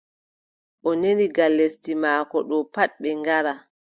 O neli ngal lesdi maako ɗo pat ɓe ngara.